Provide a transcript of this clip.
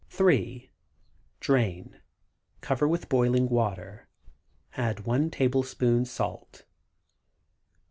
3. Drain; cover with boiling water; add 1 tablespoon salt.